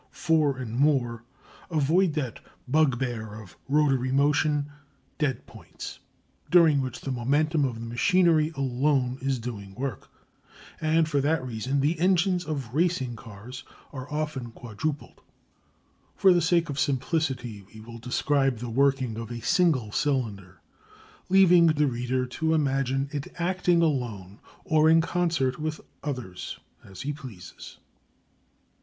Four and more avoid that bugbear of rotary motion, "dead points," during which the momentum of the machinery alone is doing work; and for that reason the engines of racing cars are often quadrupled. For the sake of simplicity we will describe the working of a single cylinder, leaving the reader to imagine it acting alone or in concert with others as he pleases.